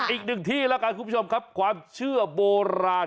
อีกหนึ่งที่แล้วกันคุณผู้ชมครับความเชื่อโบราณ